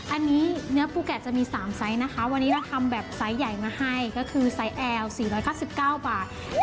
อันนี้เนื้อปูแกะจะมี๓ไซส์นะคะวันนี้เราทำแบบไซส์ใหญ่มาให้ก็คือไซส์แอล๔๙๙บาท